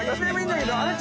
あれ？